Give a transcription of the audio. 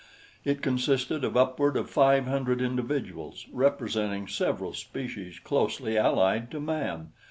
It consisted of upward of five hundred individuals representing several species closely allied to man.